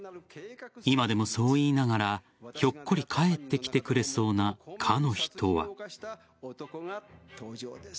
今でもそう言いながらひょっこり帰って来てくれそうなかの人は。